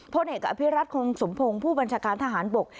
พลเอกอภิรัตคงสมพงศ์ผู้บัญชาการทหารบก